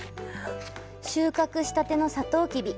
収穫したてのサトウキビ。